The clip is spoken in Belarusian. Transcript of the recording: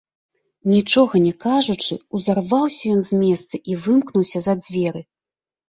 Нічога не кажучы, узарваўся ён з месца і вымкнуўся за дзверы.